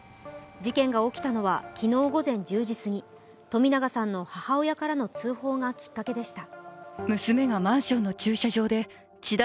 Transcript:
事件が起きたのは昨日午前１０時すぎ冨永さんの母親からの通報がきっかけでした。